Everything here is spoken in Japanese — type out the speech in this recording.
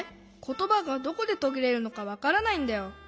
ことばがどこでとぎれるのかわからないんだよ。